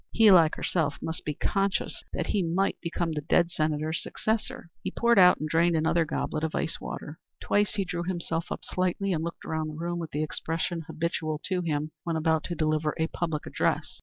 He, like herself, must be conscious that he might become the dead Senator's successor. He poured out and drained another goblet of ice water. Twice he drew himself up slightly and looked around the room, with the expression habitual to him when about to deliver a public address.